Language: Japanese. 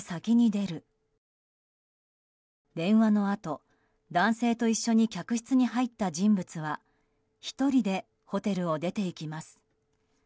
電話のあと、男性と一緒に客室に入った人物は１人でホテルを出ていきます。